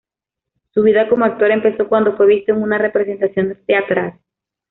Su vida como actor empezó cuando fue visto en una representación teatral.